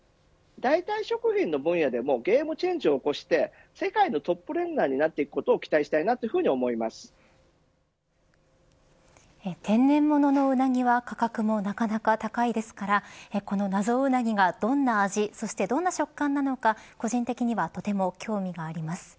代替食品の分野でもゲームチェンジを起こして世界のトップランナーとなっていくことを天然物のウナギは価格もなかなか高いですからこの謎うなぎがどんな味そしてどんな食感なのか個人的にはとても興味があります。